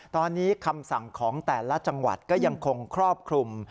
ตอนนี้คำสั่งของแต่ละจังหวัดก็ยังคงครอบคลุม